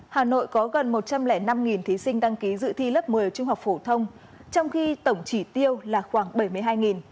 hà nội có gần một trăm linh năm thí sinh đăng ký dự thi lớp một mươi trung học phổ thông trong khi tổng chỉ tiêu là khoảng bảy mươi hai